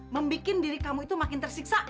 membuat diri kamu itu makin tersiksa